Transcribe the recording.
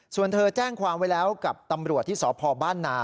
ส่วนเธอแจ้งความไว้แล้วกับตำรวจที่สพบ้านนา